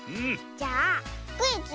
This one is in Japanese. じゃあクイズ